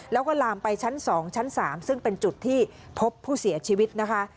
แล้วก็ลามไปชั้น๒ชั้น๓ซึ่งเป็นจุดที่พบผู้เสียชีวิตนะคะ